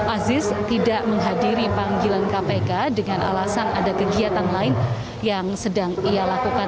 aziz tidak menghadiri panggilan kpk dengan alasan ada kegiatan lain yang sedang ia lakukan